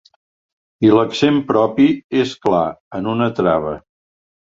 I l’accent propi, és clar, en una trava.